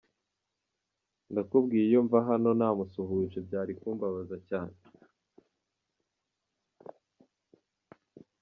Ndakubwiye iyo mva hano ntamusuhuje, byari kumbabaza cyane.